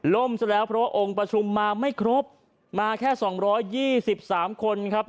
ล่มซะแล้วเพราะองค์ประชุมมาไม่ครบมาแค่สองร้อยยี่สิบสามคนครับ